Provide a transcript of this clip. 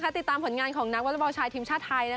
ติดตามผลงานของนักวอเตอร์เบา๊กท์ชายทีมช่าไทย